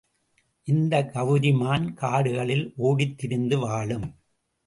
இந்த கவரிமான் காடுகளில் ஓடித் திரிந்து வாழும்.